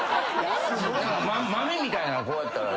豆みたいなこうやったら。